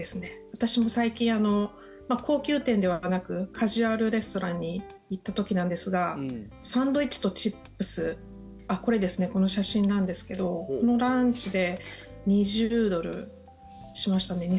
私も最近、高級店ではなくカジュアルレストランに行った時なんですがサンドイッチとチップスこれですね、この写真なんですがこのランチで２０ドルしましたね。